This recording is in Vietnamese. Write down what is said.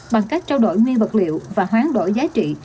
bằng cách trao đổi nguyên vật liệu và hoán đổi giá trị